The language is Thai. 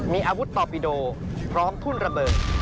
มีอาวุธตอบิโดพร้อมทุ่นระเบิด